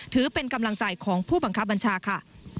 ถือเป็นกำลังใจของผู้บังคับบัญชาค่ะ